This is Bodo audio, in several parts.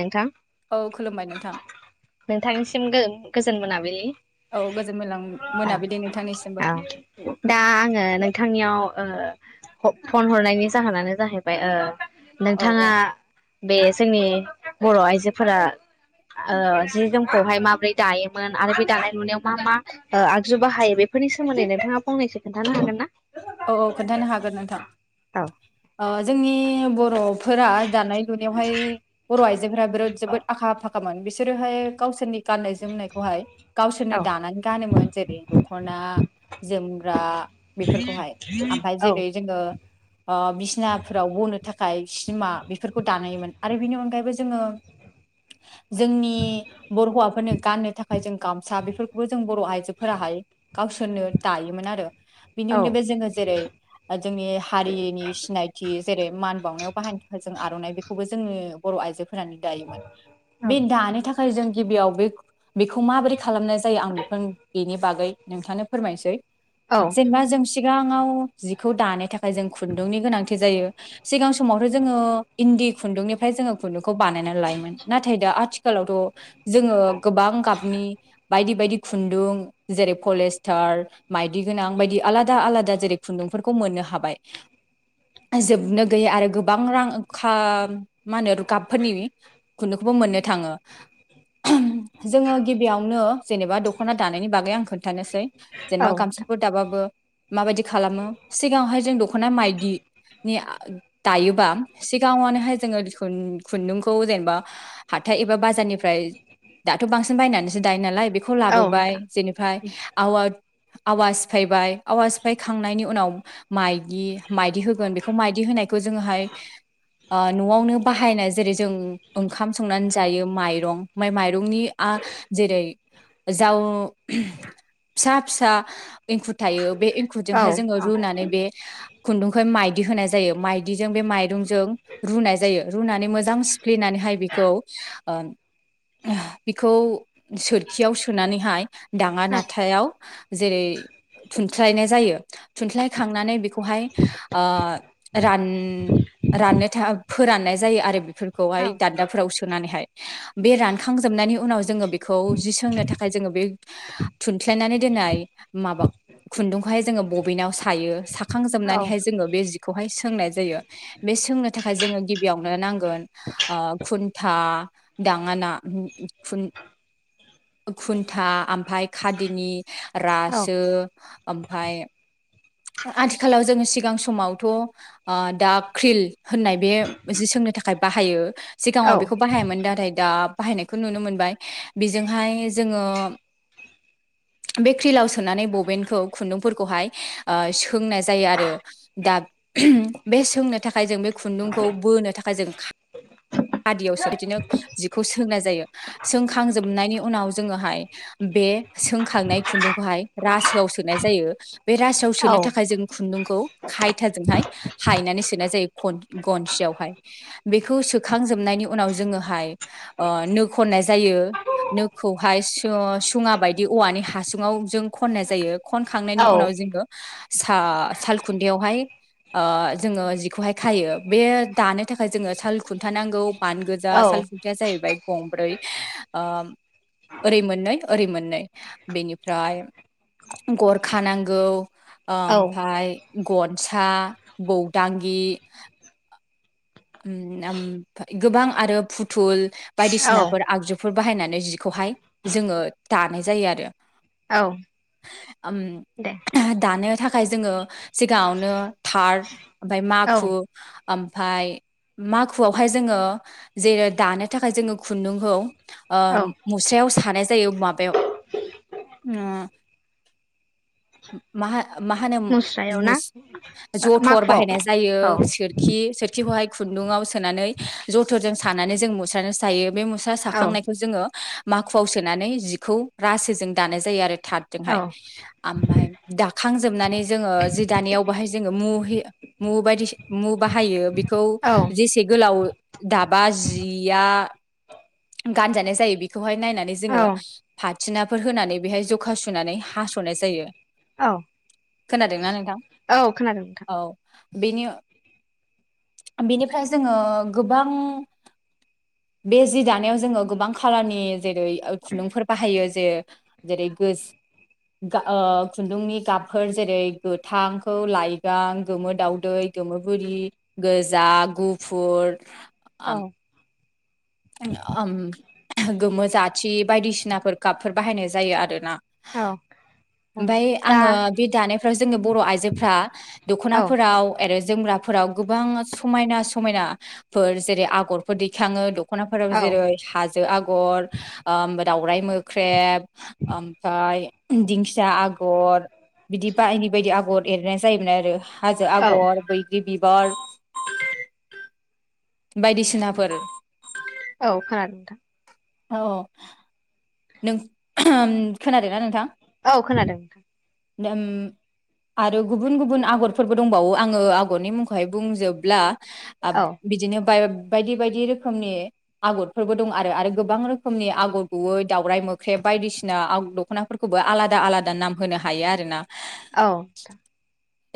नोंथां औ खुलुमबाय नोंथां नोंथांनिसिम गोजोन मोनाबिलि औ गोजोन मोलां मोनाबिलि नोंथांनिसिमबो औ-औ दा आङो नोंथांनियाव ओ फन हरनायनि जाहोनानो जाहैबाय ओ औ नोंथाङा औ बे जोंनि बर' आइजोफोरा ओ जि जोमखौ बेवहाय माब्रै दायोमोन आरो बे दानाय लुनायाव मा मा ओ आगजु बाहायो बेफोरनि सोमोन्दै नोंथाङा फंनैसो खोन्थानो हागोन ना औ-औ खोन्थानो हागोन नोंथां औ ओ जोंनि बर'फोरा दानाय लुनायाव बर' आइजोफोरा बिराद जबोद आखा फाखामोन बिसोरोहाय गावसोरनि गाननाय जोमनायखौहाय गावसोरनो औ दानानै गानोमोन जेरै दख'ना जोमग्रा बेफोरखौहाय ओमफाय औ जेरै जोङो ओ बिसिनाफोराव बनो थाखाय सिमा बेफोरखौ दानायमोन आरो बिनि अनगायैबो जोङो जोंनि बर' हौवाफोरनो गाननो थाखाय जों गामसा बेफोरखौबो जों बर' आइजोफोराहाय गावसोरनो दायोमोन आरो बिनि अनगायैबो जोङो जेरै जोंनि हारिनि सिनायथि जेरै मान बावनायाव बाहायनो थाखाय जों आर'नाइ बेखौबो जोङो बर' आइजोफोरानो दायोमोन बे दानो थाखाय जों गिबियाव बे बेखौ माबोरै खालामनाय जायो आं बेखौ बेनि बागै नोंथानो फोरमायनोसै औ जेनेबा जों सिगाङाव जिखौ दानो थाखाय जों खुन्दुंनि गोनांथि जायो सिगां समावथ' जोङो इन्दि खुन्दुंनिफ्राय जोङो खुन्दुंखौ बानायनानै लायोमोन नाथाय दा आथिखालाव थ जोङो गोबां नि बायदि बायदि खुन्दुं जेरै पलेस्टार माइदि गोनां बायदि आलादा आलादा जेरै खुन्दुंफोरखौ मोननो हाबाय जोबनो गैयि आरो गोबां रां खाम मा होनो गाबफोरनि खुनदुं मोननो थाङो जोङो गिबियावनो जेनेबा दख'ना दानायनि बागै आं खोन्थानोसै औ जेनेबा गामसाफोर दाबाबो माबायदि खालामो सिगाङावहाय जों दख'ना माइदि दायोबा सिगाङनोहाय जोङो खुन्दुंखौ जेनेबा हाथ बा बारनिफ्राय दाथ' बांसिन बायनानैायो नालाय नोंथां औ लाबोबाय नोंथां जेनिफाय आवा सिफायबाय आवा फायखांनायनि उनाव माइदि माइदि होगोन बेखौ माइदि होनायखौ जोङोहाय न'आवनो बाहायनाय जेरै जों ओंखाम संनानै जायो माइरं माइरंनि आ जेरै जाव फिसा फिसा एंखुर थायो बे जोंहाय जोङो रुनानै बे खुन्दुंखौ माइदि होनाय जायो माइदिजों बे माइरंजों रुनाय जायो रुनानै मोजां सिफ्लेनानैहाय बेखौ ओ बिखौ सोरखियाव सोनानैहाय दांङा नाथायाव जेरै [inaudible] जायो थुनस्लाय खांनानै बेखौहाय रान राननो था फोराननाय जायो आरो बेफोरखौहाय दान्दाफोरावसो नानैहाय बे रानखांजोबनायनि उनाव जोङो बेखौ जि सोंनो थाखाय जों बे थु स्लायनानै दोननाय माबा खुन्दुं खौहाय जोङो बबेनाव सायो साखां औ जोबनानैहाय जोङो बे जि खौहाय सोंनाय जायो बे सोंनो थाखाय जोङो गिबियावनो नांगोन खुन्था दाङाना खुन [inaudible] खुन्था ओमफ्राय खादिनि रासो ओमफाय आथिखालाव जोङो सिगां समावथ' दा क्रिल होननाय बे जि सों नो थाखाय बाहायो औ सिगाङाव बेखौ बाहायामोन नाथाय दा बाहायनायखौ नुनो मोनबाय बेजोंहाय जोङो बे क्रिलाव सोनानै बबेनखौ खुन्दुंफोरखौहाय सोंनाय जायो आरो दा बे सोंनो थाखाय जों बे खुन्दुंखौ बोनो थाखाय जों खा खादियावसो बिदिनो जिखौ सोंनाय जायो सोंखांजोबनायनि उनाव जोङोहाय बे सोंखांनाय खुन्दुंखौहाय रासोआव सो सोनाय जायो बे रासोआव औ सोनो औ थाखाय जों खुन्दुंखौ खायथाजोंहाय हायनानै सोनाय जायो गनसियावहाय बेखौ सोखांजोबनाय [inaudible] दि औवानि हासुङाव जों खनाय जायो औ खनखांनायनि उनाव जोङो सा सालखुन्थायावहाय आ जोङो जिखौहाय खायो बे दानो थाखाय जोङो साल खुन्था नांगौ बान गोजा औ सालखुनथाया जाहैबाय गं [inaudible] गरखा नांगौ औ ओमफाय गर गसा बौदांगि गोबां आरो फुथुल औ बायदिसिनाफोर आगजु फोर बाहायनानै जिखौहाय जोङो दानाय जायो आरो औ दे दानो थाखाय जोङो सिगाङावनो थार ओमफाय माखु औ ओमफाय माखुआवहाय जोङो जेरै दानो थाखाय जोङो खुन्दुंखौ औ मुस्रायाव सा नाय जायो माबायाव ओ मा मुस्रायाव होनो ना जथर माखुआव बाहायनाय जायो औ सोरखि खि खौहाय खुुंदुंआव सोननानै जथर जों सानानै जों मुसाजों सायो सा औ साखांनायखौ जोङो माखुवआव सोनानै जिखौ रासो जों दानाय जायो आरो थार्दजोंहाय ओमफ्राय दाखांजोबनानै जोङो जि दानायाव बाहाय जोङो मु मु बायदि मु बाहायो बे खौ औ जेसे गोलाव दाबा जिया गानजानाय जायो बेखौहाय नायनानै जोङो फाथिनाफोर होनानै बेहाय जखा सुनानै हा स'नाय जायो औ खोनादोंना नोंथां औ खोनादों नोंथां बिनि बेनिफ्राय जोङो गोबां बे जि दानाय जोङो गोबां खालारनि जेरै खुन्दुंफोर बाहायो जे जेरै गो खुन्दुंनि गाबफोर जेरै गोथांखौ लाइगां गोमो दावदै गोमो बुरि गोजा गुफुर औ आं गोमो जाथि बायदिसिनाफोर गाबपशफोर बाहायनाय जायो आरोना [inaudible] ओमफाय दा आङो बे दानायफ्राव जोंनि बर' आइजोफ्रा औ दखनाफोराव आरो जोमग्राफोराव गोबां समायना समायनाफोर जेरै आगरफोर दैखाङो दख'नाफोराव औ जेरै हाजो आगर आगर दावराइ मोख्रेब ओमफ्राय दिंखिया आगर बिदि बायदि बायदि आगर एरनाय जायोमोन आरो हाजो औ आगर बैग्रि बिबार बायदिसिनाफोर औ खोनादों नोंथां औ औ नों खोनादों ना नोंथां औ खोनादों नोंथां नों आरो गुबुन गुबुन आगरफोरबो दंबावो आङो आगरनि मुंखौहाय बुंजोबब्ला औ बिदिनो बायदि बायदि रोखोमनि आगरफोरबो दं आरो आरो गोबां रोखोमनि आगर गुबै दावराय मोख्रेब बायदिसिना दख'नाफोरखौबो आलादा आलादा नाम होनो हायो आरोना औ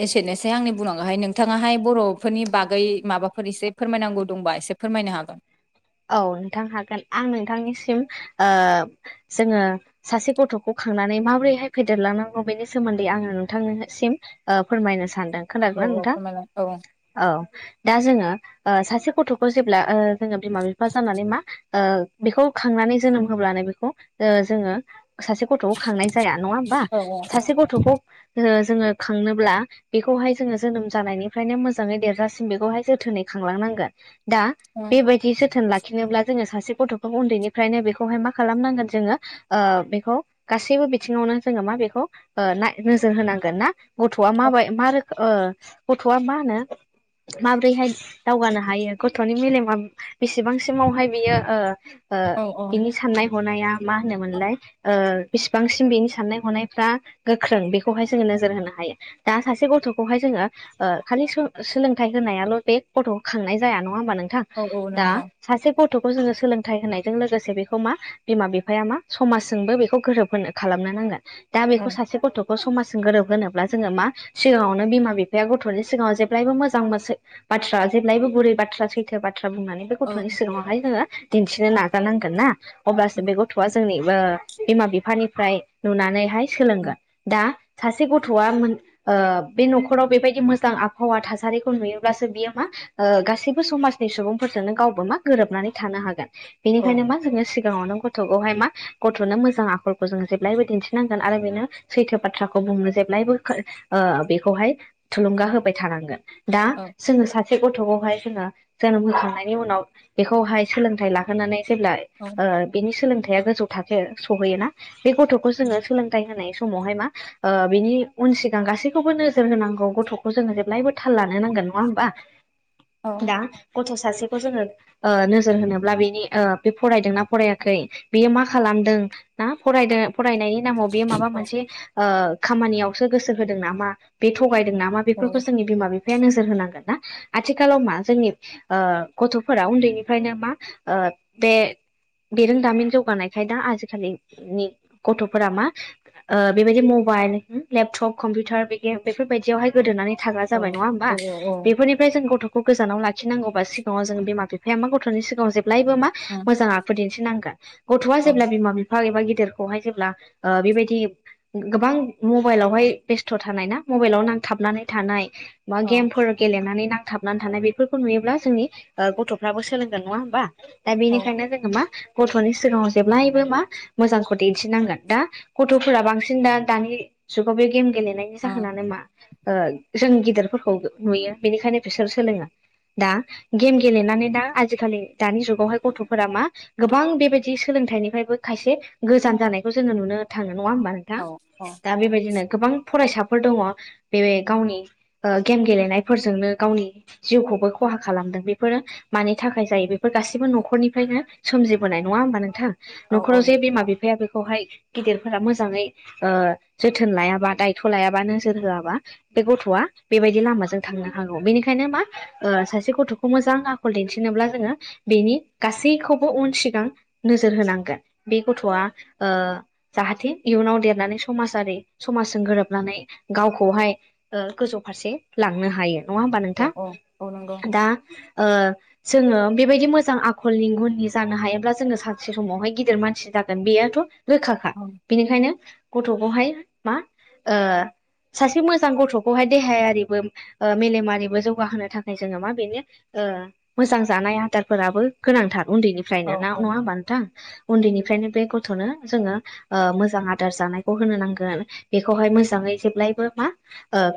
एसेनोसै आंनि बुंनांगौहाय नोंथाङाहाय बर'फोरनि बागै माबाफोर एसे फोरमायनांगौ दंबा एसे फोरमायनो हागोन औ नोंथां हागोन आं नोंथांनिसिम जोङो सासे गथ'खौ खांनानै माबोरैहाय फेदेरलांनांगौ बेनि सोमोन्दै आङो नोंथांनिसिम फोरमायनो सानदों खोनादों औ ना औ नोंथां फोरमायलाय औ औ दा जोङो सासे गथ'खौ जेब्ला जोङो बिमा बिफा जानानै मा बेखौ खांनानै जोनोम होब्लानो बेखौ जोङो सासे गथ'खौ खांनाय जाया नङा होमबा औ सासे गथ'खौ जोङो खांनोब्ला बेखौहाय जोङो जोनोम जानायनिफ्रायनो मोजाङै देरजासिम बेखौहाय जोथोनै खांलांनांगोन दा बेबायदि जोथोन लाखिनोब्ला जोङो सासे गथ'खौ उन्दैनिफ्रायनो बेखौहाय मा खालामनांगोन जोङो बेखौ गासैबो बिथिङावनो जोङो मा बेखौ नोजोर होनांगोन ना गथ'आ माबाय मा रोखोम गथ'आ मा होनो माबोरैहाय दावगानो हायो गथ'नि मेलेमा बेसेबांसिमावहाय बियो औ बिनि साननाय हनाया मा होनोमोनलाय बेसिबांसिम बेनि साननाय हनायफ्रा गोख्रों बेखौहाय जोङो नोजोर होनो हायो दा सासे गथ'खौहाय जों ओ खालि सोलोंथाइ होनायाल' बे गथ'खौ खांनाय जाया नङा होनबा नोंथां? नोंथां औ औ दा नोंथां सासे गथ'खौ जोङो सोलोंथाइ होनायजों लोगोसे बेखौ मा बिमा बिफाया मा समाजजोंबो बेखौ गोरोब होनो खालामो नो नांगोन दा औ बेखौ सासे गथ' समाजजों गोरोब होनोब्ला जोङो मा सिगाङावनो बिमा बिफाया गथ'नि सिगाङाव जेब्लायबो मोजां मोन बाथ्रा जेब्लायबो गुरै बाथ्रा सैथो बाथ्रा बुंनानै बे औ गथ'नि सिगाङावहाय जोङो दिन्थिनो नाजानांगोन ना औ अब्लासो बे गथ'आ जोंनि बिमा बिफानिफ्राय नुनानैहाय सोलोंगोन दा सासे गथ'आ बे न'खराव बेबायदि मोजां आबहावा थासारिखौ नुयोब्लासो बियो मा ओ गासैबो समाजनि सुबुंफोरजोंनो गावबो मा गोरोबनानै थानो हागोन औ बेनिखायनो मा जोङो सिगाङावनो गथ'खौहाय मा गथ'नो मोजां आखलखौ जों जेब्लायबो दिन्थिनांगोन आरो बेनो सैथो बाथ्राखौ बुंनो जेब्लायबो बेखौहाय थुलुंगा होबाय थानांगोन दा औ जोङो सासे गथ'खौहाय जोङो जोनोम होखांनाय उनाव बेखौहाय सोलोंथाइ लाहोनानै जेब्ला औ ओ बेनि सोलोंथाइ गोजौ थाखो सहैयोोना बे गथ'खौ जोङो सोलोंथाइ होनाय समावहाय मा बिनि उन सिगां गासैखौबो नोजोर होनांगौ गथ'खौ जोङो जेब्लायबो थाल लानो नांगोन नङा हा दा गथ' स खौ जोङो नोजोर होनोब्ला बेनि बे फरायदोंना फरायाखै बेयो मा खालामदों ना फरायदों फरायनायनि नामाव बे माबा मोनसे खामानियावसो गोसो होदों नामा बेथ गायदों नाम मा बेफोरखौ जोंनि बिमा बिफाया नोजोर होनांगोन ना आथिखालाव मा जोंनि गथ'फोरा उन्दैनिफ्रायनो मा बे बेरोंदामिन जौगानायखाय दा आजिखालिनि गथ'फोरा मा बेबायदि मबाइल लेपटप कम्पिउटारे बेफोरबायदियावहाय गोदोनानै थाग्रा जाबाय नङा होनबा औ औ औ बेफोरनिफ्राय जों गथखौ गोजानाव लाखिनांगौवबा सिगां सिाव जोंनि बिमा बिफाया मा गथ'नि सिगाङाव जे्लायबो मा ओं मोजां आखु दिन्थिनांगोन । गथ'आ ओं जेब्ला बिमा बिफा एबा गिदिरखौहाय जेब्ला बेबायदि गोबां मबाइलावहाय बेस्थ' थानाय ना मबाइलाव नांथाबनानै थानाय बा औ गेमफोर गेलेनानै नांथाबनानै थानाय बेफोरखौ नुयोब्ला जोंनि गथ'फ्राबो सोलोंगदों नङा होमबा दा औ बेनिखायनो जोङो मा गथ'नि सिगाङाव जेब्लायबो मा मोजांखौ दिन्थिनांगोन दा गथ'फोरा बांसिन दा दानि जुगाव बे गेम गेलेनायनि ओं जाहोनानो मा जों गिदिरफोरखौ नुयो बेनिखायनो बिसोर सोलोङो दा गेम गेलेनानै दा आजिखालि दानि जुगावहाय गथ'फोरा मा गोबां बेबायदि सोलोंथाइनिफ्रायबो खायसे गोजान जानायखौ जोङो नुनो थाङो नङा होमबा नोंथां औ औ दा बेबायदिनो गोबां फरायसाफोर दङ बे गावनि गेम गेलेनायफोरजोंनो गावनि जिउखौ खौबो खहा खालामदों । बेफोरो मानि थाखाय जायो बेफोर गासिबो न'खरनिफ्रायनो सोमजिबोनाय नङा होमबा नोंथां न'खराव औ जे बिमा नोंथां बिफाया बेखौहाय गिदिरफोरा मोजाङै जोथोन लायाबा दायथ' लायाबा नोजोर होआबा बे गथ' बेबायदि लामाजों थांनो हागौ बेनिखायनो मा सासे गथ' मोजां आखल दिन्थिनोब्ला जोङो बेनि गासैखौबो उन सिगां नोजोर होनांगोन। बे गथ'आ जाहाथे इयुनाव देरनानै समाजारि समाजजों गोरोबनानै गावखौहाय गोजौ फारसे लांनो हायो नङा होमबा नोंथां औ औ औ नंगौ दा ओ जोङो बेबायदि मोजां आखलनि गुननि जानो हायोब्ला जोङो सानसे समावहाय गिदिर मानसि ज बेयोथ' रोखााखखा ओं बिनिखायनो गथ'खौहाय मा सासे मोजां गथ'खौहाय देहायारिबो मेलेमारिबो जौगाहोनो थाखाय जोङो मा बेनो मोजां जानाय आदारफोराबो गोनांथार औ उन्दैनिफ्रायनो ना नङा औ होमब नोंथां उन्दैनि उन्दै निफ्रयनो बे गारनो जोङो ओ मोजां आदार जानायखौ होनो नांगोन बेखौहाय मोजाङौ जेब्लायबो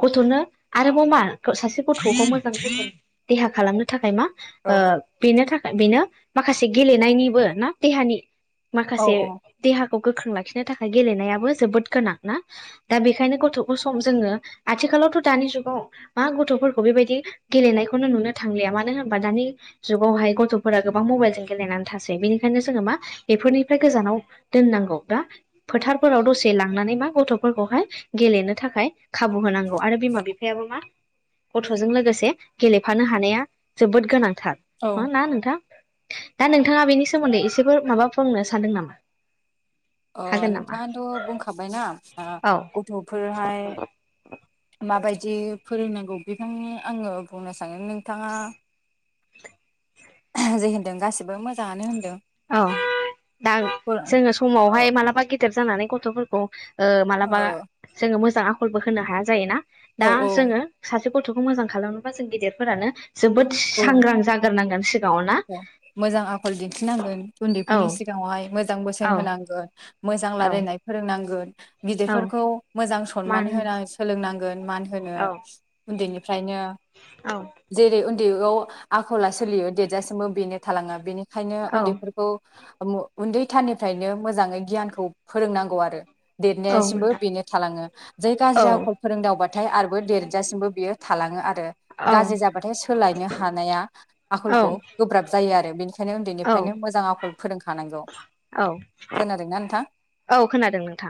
गथ'नो आरोबाव मा सासे गथ' मोजां देहा खालामनो थाखाय मा ओ बेनो थाखाय बेनो माखासे गेलेनायनिबो ना देहानि औ माखासे देहा खौ गोख्रों लाखिनो थाखाय गेलेनायाबो जोबोद गोनां ना दा बेखायनो गथ' सम जोङो आथिख खालावथ' दानि जुगाव मा गथ'फोरखौ बेबायदि गेलेनायखौनो नुनो था थांलिया मानोहोनबा दानि जुावहाय गथ'फोरा गोबां मबाइल ज गेलेनानै थासै बेनिखायनो जोङो मा बेफ फोरनिफ्राय गोजानाव दोननांगौ दा फोथारफोराव दसे लांनानै मा गथ'फोरखौहाय गेले नो थाखाय खाबु होनांगौ आरो बिमा बिफायाबो मा गथ'जों लोगोसे गेलेफानो हानाया जोबोद गोनांथार औ नङा ना नोंथां। दा नोंथाङा बेनि सोमोन्दै एसेबो माबा फोरोंनो सानदों नामा। अ हागोन नामा नोंथाङानथ' बुंखाबायना हा औ गथ'फोरहाय माबायदि फोरोंनांगौ बेखायनो आङो बुंनो सानो नोंथाङा जे होनदों गासिबो मोज औ दा फोर जोङो समाव हाय औ मालाबा गेदेर जानानै गथ'फोरखौ ओ मालाबा जाङो मोज जां आखलबो होनो हाया जायोना दा औ जोङो सासे गथ'खौ मोजां खालामनोबा जों गिदिरफोरानो जोबोद औ सांग्रां जागोरनांगोन सिगाङाव ना मोजां आखल दिन्थिनांगोन औ उन्दैफोरनि सिगाङावहाय मोजां बोसोन औ होनांगोन। मोजां औ रालायनाय फोरोंनांगोन औ गिदिरफोरखौ मोजां सनमान मानो होनाय सोलोंनांगोन मान होनो औ उन्दैनिफ्रायनो, औ जेरै उन्दैयाव आखला सोलियो देदजासिमबो बेनो थालाङो बेनिखायनो औ उन्दैफोरखौ ओम उन्दैथारनिफ्रायनो मोजाङै गियानखौ फोरोंनांगौ आरो। औ देरनायासिमबो नोंथां बेनो थालाङो जै औ गाज्रि आखल फोरोंदावबाथाय आरोबो देरजासिमबो बियो थालाङो आरो औ गाज्रि जाबाथाय सोलायनो हानाया औ आखलखौ गोब्राब जायो आरो बेनिखायनो औ उन्दैनिफ्रायनो मोजां आखल फोरोंखानांगौ। औ खोनादोंना नोंथां [inaudible] औ खोनादों नोंथां।